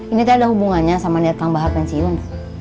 ini ada hubungannya sama niat kang bahar pensiun